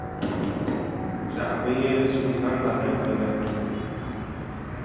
جعبه سوزن و قرقره